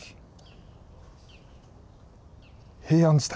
平安時代！